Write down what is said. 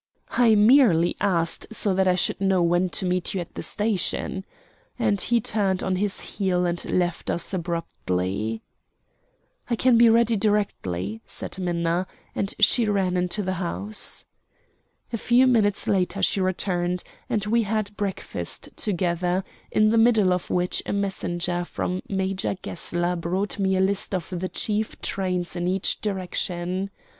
"I merely asked so that I should know when to meet you at the station;" and he turned on his heel and left us abruptly. "I can be ready directly," said Minna, and she ran into the house. A few minutes later she returned, and we had breakfast together, in the middle of which a messenger from Major Gessler brought me a list of the chief trains in each direction.